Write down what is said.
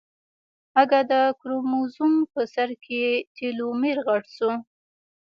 اگه د کروموزوم په سر کې ټيلومېر غټ شو.